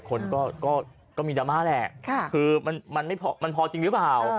คนก็มีดราม่าแหละคือมันพอจริงหรือเปล่า